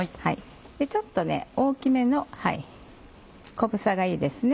ちょっと大きめの小房がいいですね。